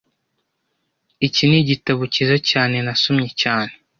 Iki nigitabo cyiza cyane nasomye cyane